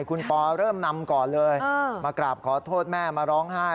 คุณปอเริ่มนำก่อนเลยมากราบขอโทษแม่มาร้องไห้